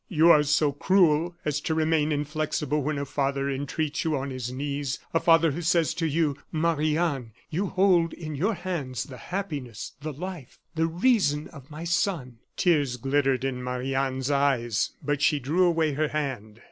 you are so cruel as to remain inflexible when a father entreats you on his knees a father who says to you: 'Marie Anne, you hold in your hands the happiness, the life, the reason of my son '" Tears glittered in Marie Anne's eyes, but she drew away her hand.